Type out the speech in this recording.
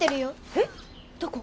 えっどこ？